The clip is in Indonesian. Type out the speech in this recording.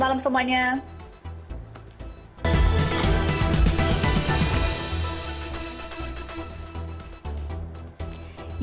selamat malam semuanya